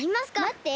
まって。